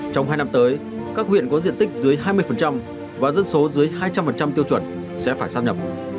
trong hai năm tới các huyện có diện tích dưới hai mươi và dân số dưới hai trăm linh tiêu chuẩn sẽ phải sang nhập